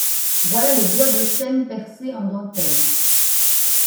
Voilà le bois de chêne percé en dentelle.